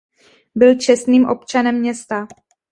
Byl čestným občanem města.